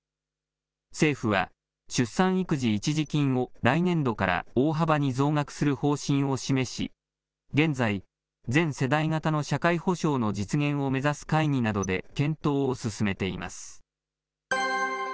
政府は、出産育児一時金を来年度から大幅に増額する方針を示し、現在、全世代型の社会保障の実現を目指す会議などで、検討を進めています。